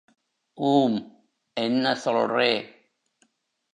ஊம் என்ன சொல்றே!